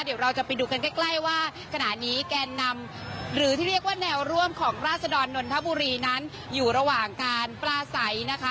เดี๋ยวเราจะไปดูกันใกล้ว่าขณะนี้แกนนำหรือที่เรียกว่าแนวร่วมของราศดรนนทบุรีนั้นอยู่ระหว่างการปลาใสนะคะ